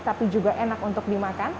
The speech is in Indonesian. tapi juga enak untuk dimakan